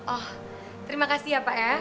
oh terima kasih ya pak ya